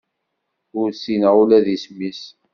Ur ssineɣ ula d isem-is.